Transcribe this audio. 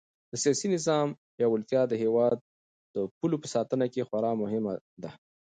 د سیاسي نظام پیاوړتیا د هېواد د پولو په ساتنه کې خورا مهمه ده.